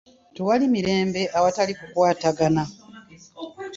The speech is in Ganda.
Tewali mirembe awatali kukwatagana.